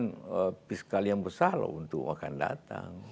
itu jadi beban fiskal yang besar untuk akan datang